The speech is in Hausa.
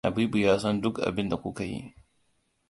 Habibu ya san duk abinda kuka yi.